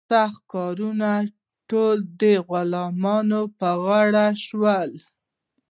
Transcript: سخت کارونه ټول د غلامانو په غاړه شول.